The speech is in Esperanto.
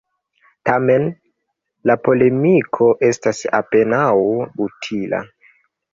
Tamen, la polemiko estas apenaŭ utila.